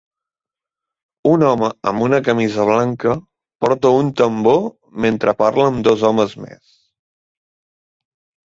Un home amb una camisa blanca porta un tambor mentre parla amb dos homes més.